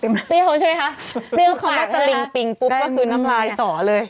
มีอะไรเปรี้ยวใช่ไหมคะเปรี้ยวภารกษ์อ้างพริงปุ๊บก็คืนน้ำรายสอเลย